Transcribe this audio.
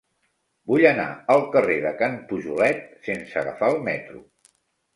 Vull anar al carrer de Can Pujolet sense agafar el metro.